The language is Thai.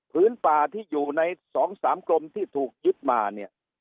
พื้นป่าที่อยู่ในสองสามกลมที่ถูกยึดมาเนี่ย